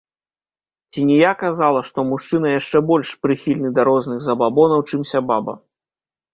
Ці ні я казала, што мужчына яшчэ больш прыхільны да розных забабонаў, чымся баба.